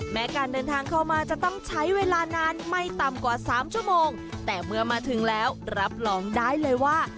แม้การเดินทางเข้ามาจะต้องใช้เวลานานไม่ต่ำกว่าสามชั่วโมงแต่เมื่อมาถึงแล้วรับรองได้เลยว่า